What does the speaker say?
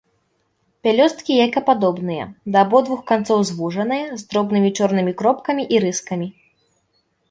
Пялёсткі яйкападобныя, да абодвух канцоў звужаныя, з дробнымі чорнымі кропкамі і рыскамі.